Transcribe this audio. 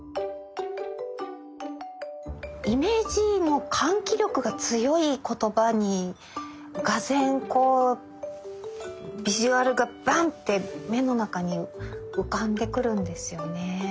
イメージの喚起力が強い言葉に俄然こうビジュアルがバンって目の中に浮かんでくるんですよね。